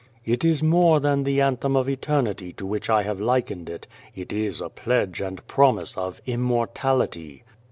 "It is more than the anthem of eternity to which I have likened it. It is a pledge and promise of Immortality.